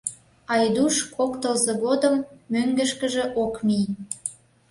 Айдуш кок тылзе годым мӧҥгышкыжӧ ок мий.